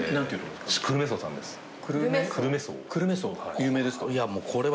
有名ですか？